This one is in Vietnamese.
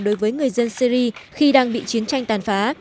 đối với người dân syri khi đang bị chiến tranh tàn phá